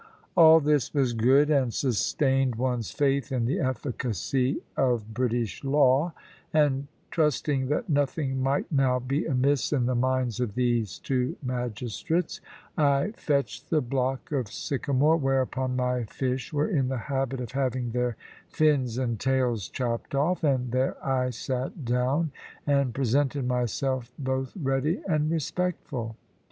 All this was good, and sustained one's faith in the efficacy of British law; and trusting that nothing might now be amiss in the minds of these two magistrates, I fetched the block of sycamore, whereupon my fish were in the habit of having their fins and tails chopped off; and there I sate down, and presented myself both ready and respectful.